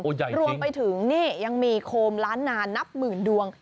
ใหญ่รวมไปถึงนี่ยังมีโคมล้านนานับหมื่นดวง